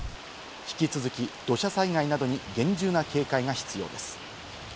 引き続き土砂災害などに厳重な警戒が必要です。